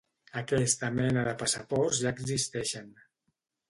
Aquesta mena de passaports ja existeixen.